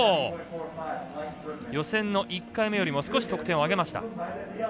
予選の１回目よりも少し得点を上げました。